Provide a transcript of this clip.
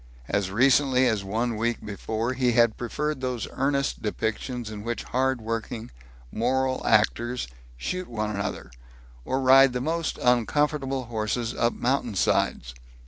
As recently as one week before he had preferred those earnest depictions in which hard working, moral actors shoot one another, or ride the most uncomfortable horses up mountainsides.